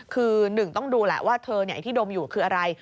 คือหนึ่งต้องดูแหละว่าเธอไอ้ที่ดมอยู่คืออะไร